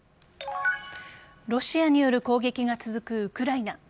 ロシアによる攻撃が続くウクライナ。